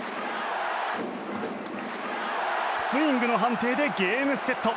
スイングの判定でゲームセット。